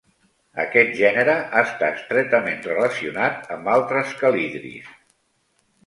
Aquest gènere està estretament relacionat amb altres calidris.